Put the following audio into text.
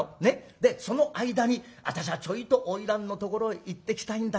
でその間に私はちょいと花魁のところへ行ってきたいんだがな。